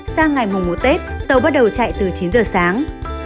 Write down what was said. sang ngày mùng mùa tết tàu bắt đầu chạy từ chín h sáng